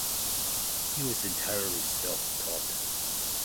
He was entirely self-taught.